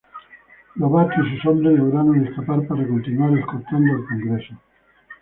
Lobato y sus hombres lograron escapar para continuar escoltando al Congreso.